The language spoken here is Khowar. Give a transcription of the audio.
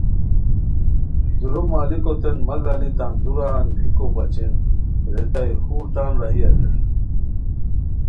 دُورو مالکوتین مہ گانی تان دُورہ انگیکو بچین ریتائے خور تان راہی اریر